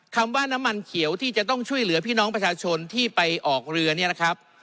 คำว่าน้ำมันเขียวที่จะต้องช่วยเหลือพี่น้องประชาชนที่ไปออกเรือเนี่ยนะครับ